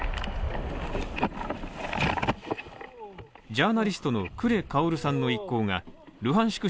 ジャーナリストのクレ・カオルさんの一行がルハンシク